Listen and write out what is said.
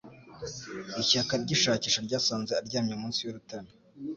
Ishyaka ry’ishakisha ryasanze aryamye munsi y’urutare.